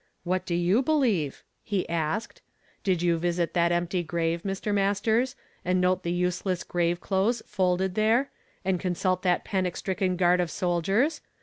'^ What do you believe ?" he asked. "Did you visit that empty grave, Mr. Mastera, and note the useless grave clothes folded there, and consult that panic stricken guard of soldiers?